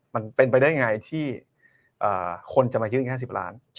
มันเป็นไปได้ไงที่คนจะมายื่น๕๐ล้าน